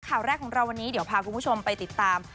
ข่าวแรกของเราวันนี้เดี๋ยวพาคุณผู้ชมไปติดตาม